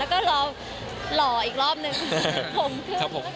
แล้วก็หลออีกรอบนึงผมคือ